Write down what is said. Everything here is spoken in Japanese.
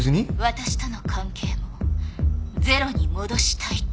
私との関係もゼロに戻したいと。